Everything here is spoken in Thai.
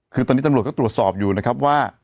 คือตอนนี้ตำรวจก็ตรวจสอบอยู่นะครับว่า